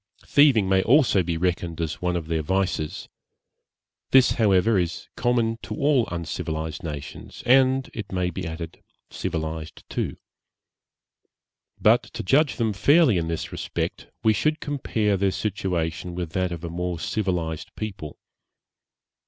Thieving may also be reckoned as one of their vices; this, however, is common to all uncivilized nations, and, it may be added, civilized too. But to judge them fairly in this respect, we should compare their situation with that of a more civilized people.